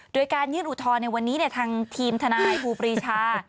โดยการยื่นอุทธรณ์ในวันนี้ทางทีมทนายครูปรีชา